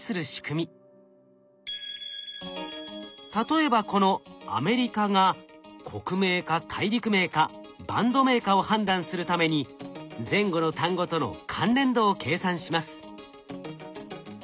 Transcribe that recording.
例えばこの「アメリカ」が国名か大陸名かバンド名かを判断するために前後の単語との関連度を計算します。